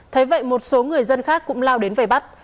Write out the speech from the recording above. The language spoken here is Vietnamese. thấy vậy một số người dân khác cũng lao đến vây bắt